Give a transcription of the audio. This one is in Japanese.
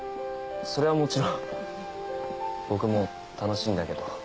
それはもちろん僕も楽しいんだけど。